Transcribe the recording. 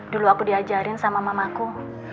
dulu aku diajarin sama mamaku